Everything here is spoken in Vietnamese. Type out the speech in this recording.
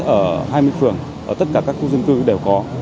ở hai mươi phường ở tất cả các khu dân cư đều có